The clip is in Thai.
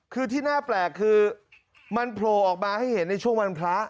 คือที่น่าแปลกคือมันโผล่ออกมาให้เห็นในช่วงวันพระ